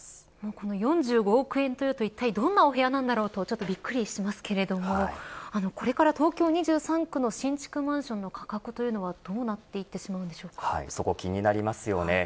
この４５億円というといったいどんなお部屋なんだろうとびっくりしますけれどこれから東京２３区の新築マンションの価格というのはどうなっていってそこ気になりますよね。